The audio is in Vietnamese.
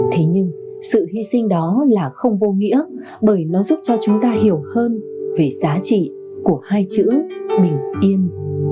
thế nhưng sự hy sinh đó là không vô nghĩa bởi nó giúp cho chúng ta hiểu hơn về giá trị của hai chữ bình yên